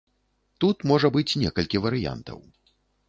Тут можа быць некалькі варыянтаў.